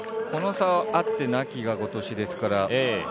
この差はあってなきがごとしですから。